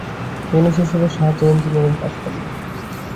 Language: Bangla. ধনী শ্বশুরের সাহায্যেই এঞ্জিনিয়ারিং পাস করলে।